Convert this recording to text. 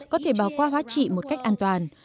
có thể bảo qua hóa trị một cách an toàn